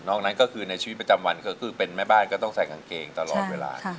นั้นก็คือในชีวิตประจำวันก็คือเป็นแม่บ้านก็ต้องใส่กางเกงตลอดเวลา